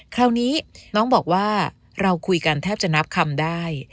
คราวนี้น้องบอกว่าเราคุยกันแทบจะนับคำได้